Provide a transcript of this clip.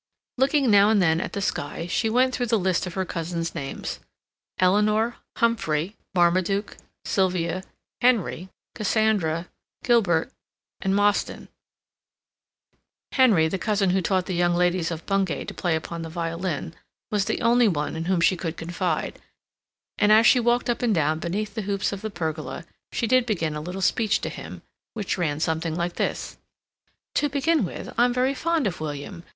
Looking now and then at the sky, she went through the list of her cousins' names: Eleanor, Humphrey, Marmaduke, Silvia, Henry, Cassandra, Gilbert, and Mostyn—Henry, the cousin who taught the young ladies of Bungay to play upon the violin, was the only one in whom she could confide, and as she walked up and down beneath the hoops of the pergola, she did begin a little speech to him, which ran something like this: "To begin with, I'm very fond of William.